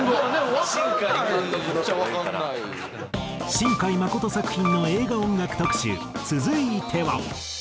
新海誠作品の映画音楽特集続いては。